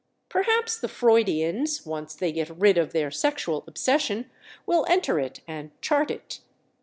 Perhaps the Freudians, once they get rid of their sexual obsession, will enter it and chart it.